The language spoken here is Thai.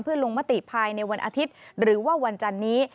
เพื่อลงมติภายในวันอาทิตย์หรือว่าวันจันนี้